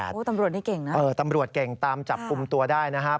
โอ้โหตำรวจนี่เก่งนะเออตำรวจเก่งตามจับกลุ่มตัวได้นะครับ